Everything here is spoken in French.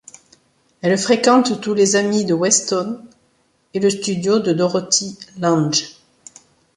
Elle fréquente tous les amis de Weston et le studio de Dorothea Lange.